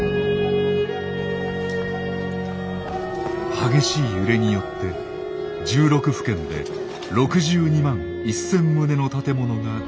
激しい揺れによって１６府県で６２万１，０００棟の建物が全壊。